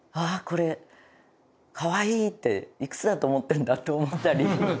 これ可愛いっていくつだと思ってるんだって思ったり。